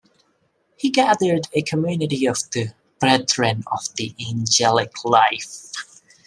He gathered a community of the "Brethren of the Angelic Life".